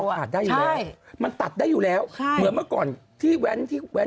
ออกขาดได้อยู่แล้วมันตัดได้อยู่แล้วเหมือนเมื่อก่อนที่แว้น